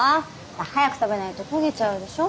早く食べないと焦げちゃうでしょ。